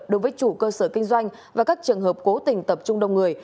đối với chủ cơ sở kinh doanh và các trường hợp cố tình tập trung đông người